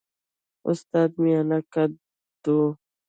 استاد میانه قده وو.